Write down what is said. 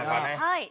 はい。